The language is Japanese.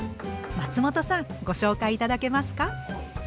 松本さんご紹介頂けますか？